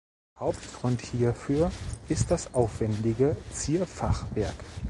Hauptgrund hierfür ist das aufwändige Zierfachwerk.